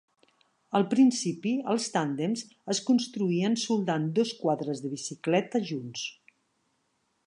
Al principi els tàndems es construïen soldant dos quadres de bicicleta junts.